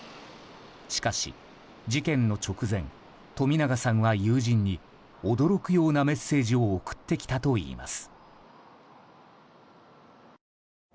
しかし、事件の直前冨永さんは、友人に驚くようなメッセージを送ってきたといいます。